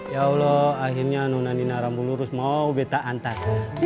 ya allah akhirnya nunadina rambu lurus mau beta antar